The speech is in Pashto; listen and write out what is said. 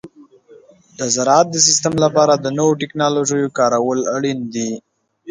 د زراعت د سیستم لپاره د نوو تکنالوژیو کارول اړین دي.